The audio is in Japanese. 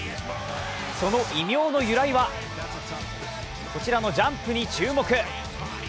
その異名の由来は、こちらのジャンプに注目。